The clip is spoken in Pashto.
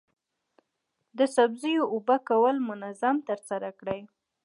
د سبزیو اوبه کول منظم ترسره کړئ.